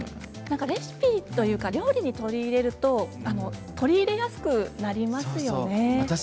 レシピというか料理に取り入れると取り入れやすくなりますよね。